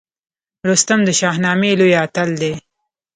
رستم د شاهنامې لوی اتل دی